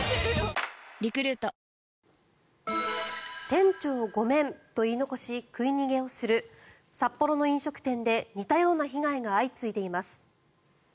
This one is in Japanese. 店長ごめんと言い残し食い逃げをする札幌の飲食店で似たような被害が相次いでいます。